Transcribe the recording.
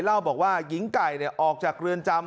เล่าบอกว่าหญิงไก่เนี่ยออกจากเรือนจำเมื่อ